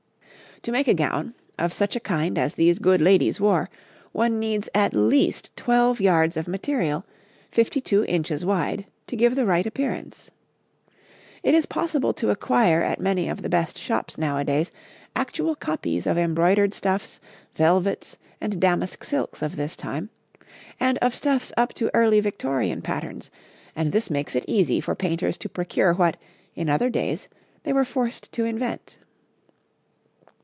To make a gown, of such a kind as these good ladies wore, one needs, at least, twelve yards of material, fifty two inches wide, to give the right appearance. It is possible to acquire at many of the best shops nowadays actual copies of embroidered stuffs, velvets, and damask silks of this time, and of stuffs up to Early Victorian patterns, and this makes it easy for painters to procure what, in other days, they were forced to invent.